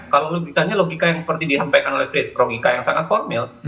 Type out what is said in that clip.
kalau logikanya logika yang seperti disampaikan oleh frits romika yang sangat formil